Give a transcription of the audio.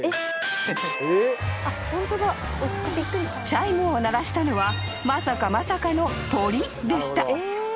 ［チャイムを鳴らしたのはまさかまさかの鳥でした］